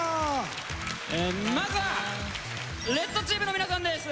まずはレッドチームの皆さんです。